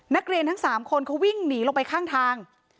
นักเรียนทั้ง๓คนเขาวิ่งหนีลงไปข้างทาง